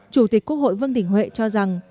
chủ tịch quốc hội vương đình huệ cho rằng